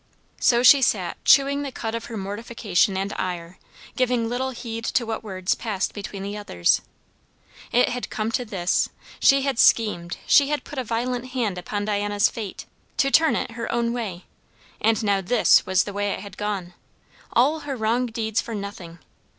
So she sat chewing the cud of her mortification and ire, giving little heed to what words passed between the others. It had come to this! She had schemed, she had put a violent hand upon Diana's fate, to turn it her own way, and now this was the way it had gone! All her wrong deeds for nothing!